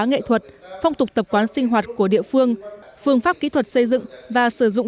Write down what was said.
nghệ thuật phong tục tập quán sinh hoạt của địa phương phương pháp kỹ thuật xây dựng và sử dụng